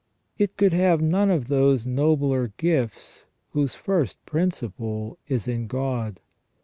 It could have none of those nobler gifts whose first principle is in God.